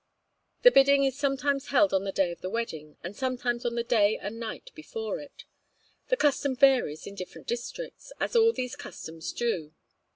The Bidding is sometimes held on the day of the wedding, and sometimes on the day and night before it; the custom varies in different districts, as all these customs do.